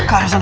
ke arah sana